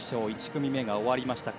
１組目が終わりました。